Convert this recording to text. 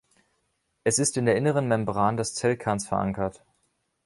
Es ist in der inneren Membran des Zellkerns verankert.